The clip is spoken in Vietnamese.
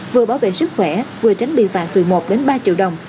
vừa bảo vệ sức khỏe vừa tránh bị phạt từ một đến ba triệu đồng